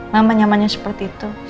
mama nyamannya seperti itu